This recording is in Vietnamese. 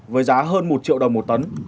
với giá hơn một triệu đồng một tấn